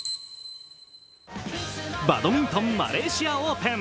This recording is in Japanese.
バドミントン、マレーシアオープン。